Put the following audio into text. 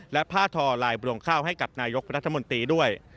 และผ้าทอลายบรวงข้าวให้กับนายกรัฐมนตรีด้วย